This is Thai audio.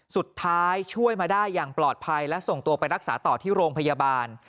ช่วยมาได้อย่างปลอดภัยและส่งตัวไปรักษาต่อที่โรงพยาบาล